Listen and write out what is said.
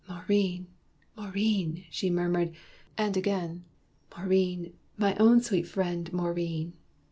"Maurine, Maurine!" she murmured, and again, "Maurine, my own sweet friend, Maurine!"